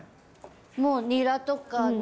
もうニラとかね。